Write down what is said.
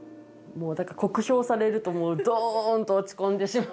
もうだから酷評されるともうどんと落ち込んでしまうんで。